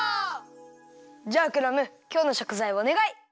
じゃあクラムきょうのしょくざいをおねがい！